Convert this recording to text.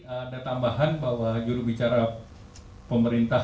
ada tambahan bahwa jurubicara pemerintah